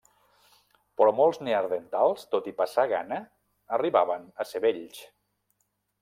Però molts neandertals, tot i passar gana, arribaven a ser vells.